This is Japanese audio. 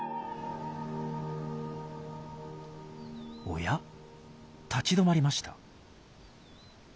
おや？立ち止まりました。